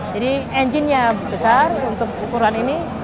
jadi enjinnya besar untuk ukuran ini